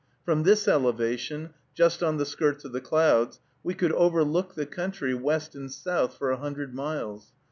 From this elevation, just on the skirts of the clouds, we could overlook the country, west and south, for a hundred miles.